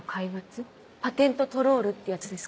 パテントトロールってやつですか？